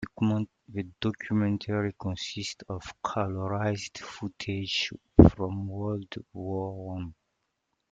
The documentary consists of colourised footage from World War One.